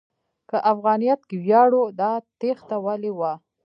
که افغانیت کې ویاړ و، دا تېښته ولې وه؟